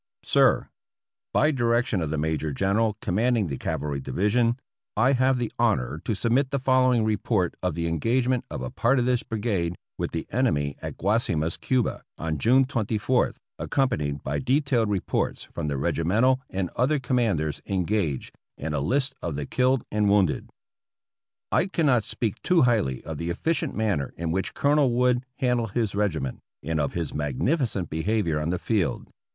Sir : By direction of the major general commanding the Cavalry Division, I have the honor to submit the following report of the engagement of a part of this brigade with the enemy at Guasimas, Cuba, on June 24th, accompanied by detailed reports from the regimental and other commanders engaged, and a list of the killed and wounded : I cannot speak too highly of the efficient manner in which Colonel Wood handled his regiment, and of his magnificent behavior on the field.